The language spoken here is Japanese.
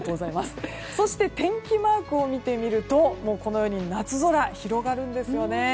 そして天気マークを見てみると夏空が広がるんですよね。